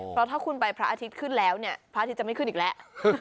เพราะถ้าคุณไปพระอาทิตย์ขึ้นแล้วเนี่ยพระอาทิตย์จะไม่ขึ้นอีกแล้ว